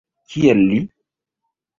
Kiel li?